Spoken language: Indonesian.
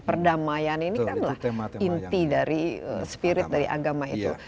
perdamaian ini kan inti dari spirit dari agama itu